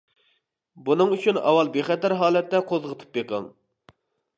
بۇنىڭ ئۈچۈن ئاۋۋال بىخەتەر ھالەتتە قوزغىتىپ بېقىڭ!